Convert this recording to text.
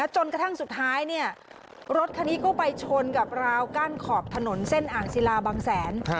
จนกระทั่งสุดท้ายรถคันนี้ก็ไปชนกับราวกั้นขอบถนนเส้นอ่างศิลาบางแสน